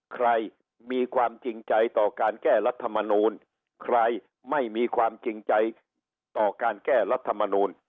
ใครมีความจริงใจต่อการแก้รัฐมนูลใครไม่มีความจริงใจต่อการแก้รัฐมนูล